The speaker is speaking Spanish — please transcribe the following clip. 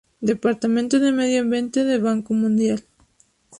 Departamento de Medio Ambiente del Banco Mundial